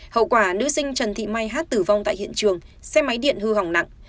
hậu quả nữ sinh trần thị mai hát tử vong tại hiện trường xe máy điện hư hỏng nặng